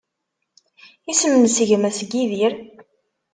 Isem-nnes gma-s n Yidir?